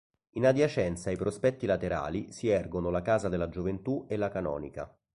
In adiacenza ai prospetti laterali si ergono la casa della gioventù e la canonica.